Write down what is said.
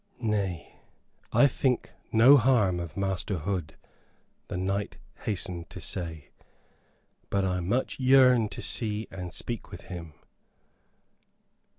"Nay, I think no harm of Master Hood," the knight hastened to say, "but I much yearn to see and speak with him."